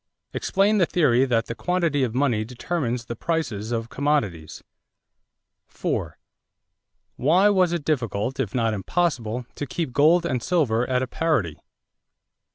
Explain the theory that the quantity of money determines the prices of commodities. 4. Why was it difficult, if not impossible, to keep gold and silver at a parity? 5.